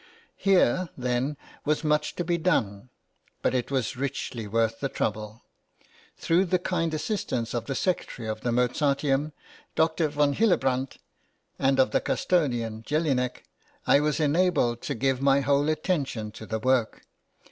Here, then was much to be done; but it was richly worth the trouble. Through the kind assistance of the secretary of the Mozarteum, Dr. v. Hilleprandt, and of the custodian, Jelinek, I was enabled to give my whole attention to the work.